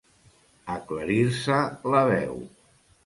Aclarir-se la veu.